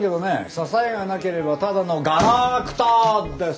支えがなければただのガラクタです。